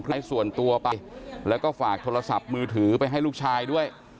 ส่วนตัวไปแล้วก็ฝากโทรศัพท์มือถือไปให้ลูกชายด้วย